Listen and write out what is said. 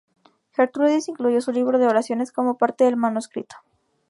Gertrudis incluyó su libro de oraciones como parte del manuscrito.